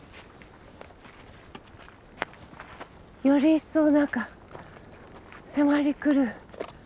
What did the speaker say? より一層何か迫り来る。